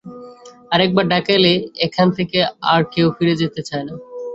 আর একবার ঢাকায় এলে এখান থেকে আর কেউ ফিরে যেতে চায় না।